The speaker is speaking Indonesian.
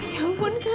ya ampun kak nur